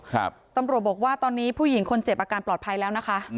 ตำรวจบอกว่าตอนนี้ผู้หญิงคนเจ็บอาการปลอดภัยแล้วนะคะ